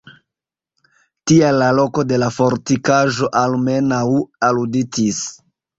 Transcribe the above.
Tial la loko de la fortikaĵo almenaŭ aluditis.